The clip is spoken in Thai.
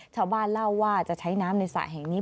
ชาวบ้านเล่าว่าจะใช้น้ำในสระแห่งนี้